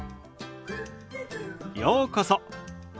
ようこそ。